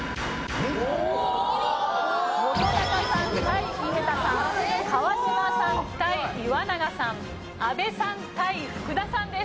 井桁さん川島さん対岩永さん阿部さん対福田さんです。